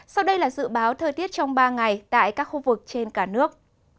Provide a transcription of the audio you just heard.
sau đây là dự báo thời tiết trong ba ngày tại các khu vực trên cả nước